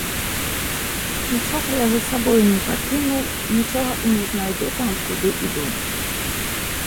Нічога я за сабою не пакінуў, нічога і не знайду там, куды іду.